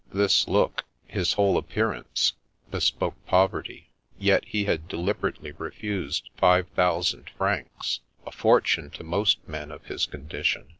This look, his whole appearance, bespoke poverty, yet he had deliberately refused five thou sand francs, a fortune to most men of his condition.